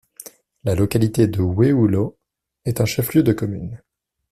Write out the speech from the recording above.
La localité de Ouéoulo est un chef-lieu de commune.